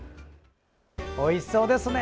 おいしそうですね！